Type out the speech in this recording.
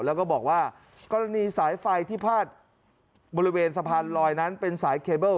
แล้วก็บอกว่ากรณีสายไฟที่พาดบริเวณสะพานลอยนั้นเป็นสายเคเบิ้ล